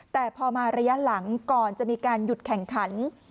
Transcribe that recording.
แต่พอมาระยะหลังก่อนจะมีการหยุดแข่งขัน